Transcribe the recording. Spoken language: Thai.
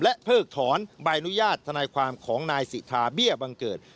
เพิกถอนใบอนุญาตทนายความของนายสิทธาเบี้ยบังเกิด